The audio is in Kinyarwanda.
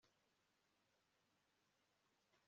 arambwira ati shinga ihema ryawe kwa yakobo